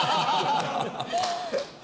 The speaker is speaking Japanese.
ハハハハ！